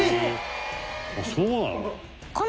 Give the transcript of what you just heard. そうなの？